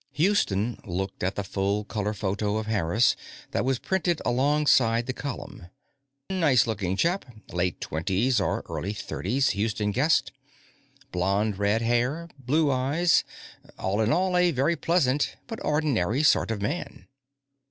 Houston looked at the full color photo of Harris that was printed alongside the column. Nice looking chap; late twenties or early thirties, Houston guessed. Blond red hair, blue eyes. All in all, a very pleasant, but ordinary sort of man.